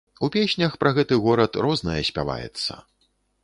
У песнях пра гэты горад рознае спяваецца.